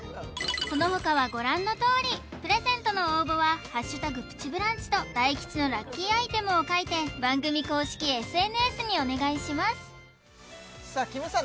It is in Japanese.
その他はご覧のとおりプレゼントの応募は「＃プチブランチ」と大吉のラッキーアイテムを書いて番組公式ＳＮＳにお願いしますさあきむさん